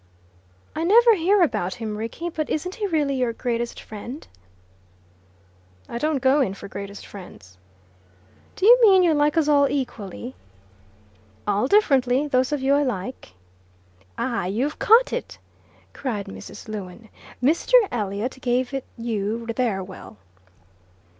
"I never hear about him, Rickie; but isn't he really your greatest friend?" "I don't go in for greatest friends." "Do you mean you like us all equally?" "All differently, those of you I like." "Ah, you've caught it!" cried Mrs. Lewin. "Mr. Elliot gave it you there well."